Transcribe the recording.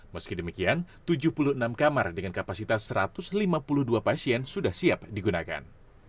meski demikian tujuh puluh enam kamar dengan kapasitas satu ratus lima puluh dua pasien sudah siap digunakan